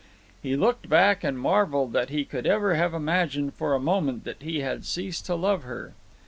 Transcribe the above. He looked back and marvelled that he could ever have imagined for a moment that he had ceased to love her.